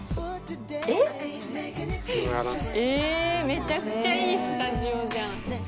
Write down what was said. めちゃくちゃいいスタジオじゃん。